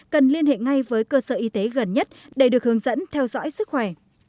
cần liên hệ ngay với cơ sở y tế gần nhất để được hướng dẫn theo dõi sức khỏe